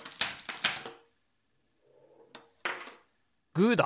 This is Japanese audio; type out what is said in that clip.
グーだ！